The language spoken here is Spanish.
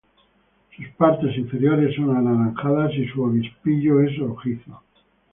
Sus partes inferiores son anaranjadas y su obispillo es rojizo.